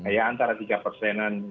ya antara tiga persenan